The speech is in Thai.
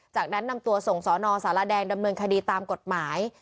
จากนั้นนำตัวส่งสนสารแดงดำเนินคดีตามกฎหมาย